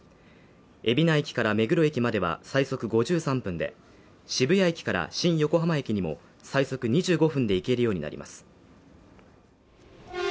海老名駅から目黒駅までは最速５３分で渋谷駅から新横浜駅にも、最速２５分で行けるようになります。